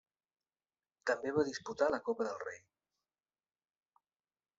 També va disputar la Copa del Rei.